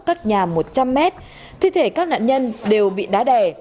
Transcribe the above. các nhà một trăm linh mét thi thể các nạn nhân đều bị đá đẻ